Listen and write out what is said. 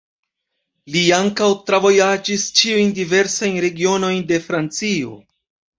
Li ankaŭ travojaĝis ĉiujn diversajn regionojn de Francio.